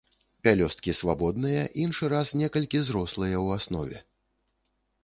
Пялёсткі свабодныя, іншы раз некалькі зрослыя ў аснове.